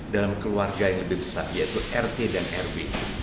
dalam keluarga yang lebih besar yaitu rt dan rw